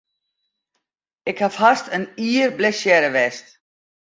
Ik haw hast in jier blessearre west.